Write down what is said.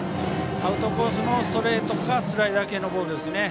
アウトコースのストレートかスライダー系のボールですね。